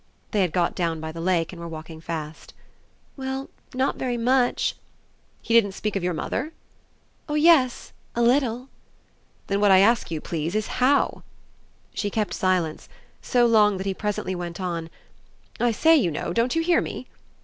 They had got down by the lake and were walking fast. "Well, not very much." "He didn't speak of your mother?" "Oh yes, a little!" "Then what I ask you, please, is HOW?" She kept silence so long that he presently went on: "I say, you know don't you hear me?"